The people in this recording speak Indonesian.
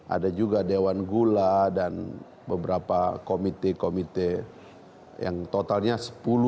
ada juga dewan gula dan beberapa komite komite yang totalnya sepuluh